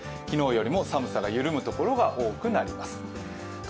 昨日よりも寒さが緩む所が多くなります。